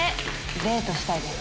デートしたいです。